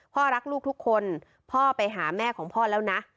รักลูกทุกคนพ่อไปหาแม่ของพ่อแล้วนะ